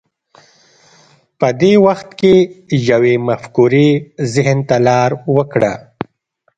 په دې وخت کې یوې مفکورې ذهن ته لار وکړه